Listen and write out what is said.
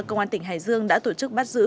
công an tp hcm đã tổ chức bắt giữ